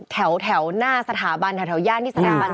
แถวหน้าสถาบันแถวย่านที่สถาบัน